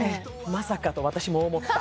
まさかと私も思った